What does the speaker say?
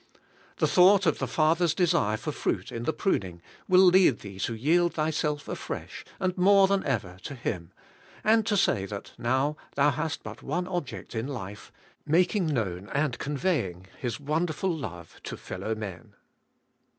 The thought of the Father's desire for fruit in the prun ing will lead thee to yield thyself afresh, and more than ever, to Him, and to say that now thou hast but one object in life, — making known and conveying His wonderful love to fellow men.